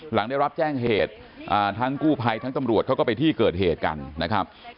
หลังได้รับแจ้งเหตุทั้งกู้ภัยทั้งตำรวจเขาก็ไปที่เกิดเหตุกันนะครับ